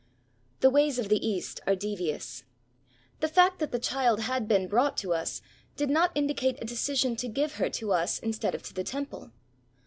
The ways of the East are devious. The fact that the child had been brought to us did not indicate a decision to give her to us instead of to the Temple.